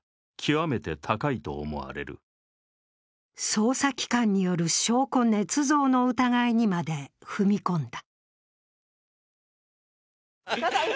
捜査機関によるねつ造の疑いにまで踏み込んだ。